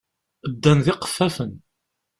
Ddan d iqeffafen.